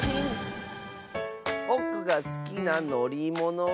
ぼくがすきなのりものは。